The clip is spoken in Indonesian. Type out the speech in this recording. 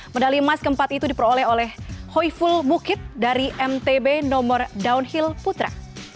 medali emas keempat itu diperoleh oleh hoi ful mukit dari mtb nomor downhill putra